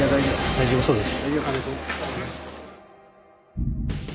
大丈夫そうです。